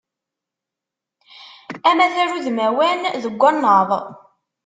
Amatar udmawan deg wannaḍ.